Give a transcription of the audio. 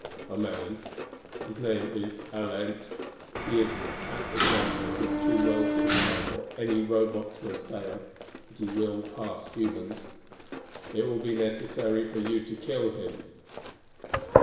"A man. His name is Alent. He is at a gate that is too well fortified for any Robot to assail, but he will pass humans. It will be necessary for you to kill him."